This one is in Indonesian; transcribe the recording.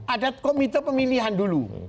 ada komito pemilihan dulu